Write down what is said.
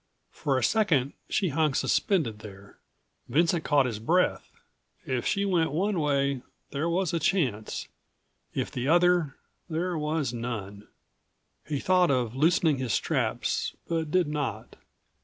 For a second she hung suspended there. Vincent caught his breath. If she went one way there was a chance; if the other, there was none. He thought of loosening his straps, but did not.